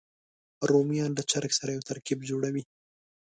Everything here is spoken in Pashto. رومیان له چرګ سره یو ترکیب جوړوي